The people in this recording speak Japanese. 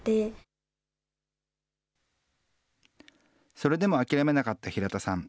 それでも諦めなかった平田さん。